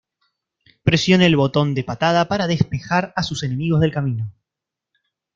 Presione el botón de patada para despejar a sus enemigos del camino.